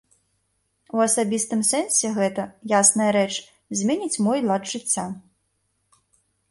У асабістым сэнсе гэта, ясная рэч, зменіць мой лад жыцця.